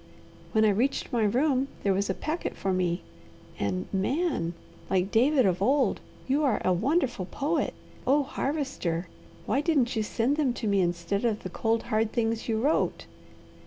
When I reached my room there was a packet for me and, Man, like David of old, you are a wonderful poet! Oh Harvester! why didn't you send them to me instead of the cold, hard things you wrote?"